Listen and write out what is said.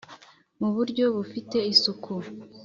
mu buryo bufite isuku,